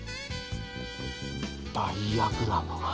ダイヤグラムは。